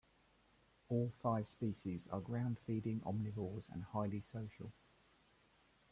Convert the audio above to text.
All five species are ground-feeding omnivores and highly social.